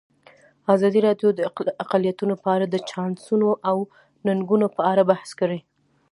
ازادي راډیو د اقلیتونه په اړه د چانسونو او ننګونو په اړه بحث کړی.